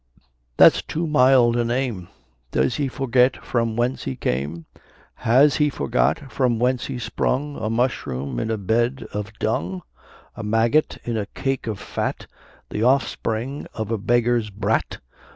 that's too mild a name; Does he forget from whence he came; Has he forgot from whence he sprung; A mushroom in a bed of dung; A maggot in a cake of fat, The offspring of a beggar's brat.